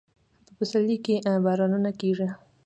په پسرلي کې بارانونه کیږي